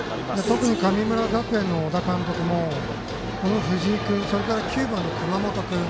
特に神村学園の小田監督も藤井君それから９番の熊本君。